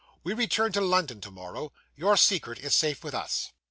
We return to London to morrow. Your secret is safe with us.